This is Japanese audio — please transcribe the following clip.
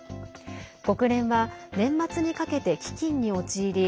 国連は年末にかけて飢きんに陥り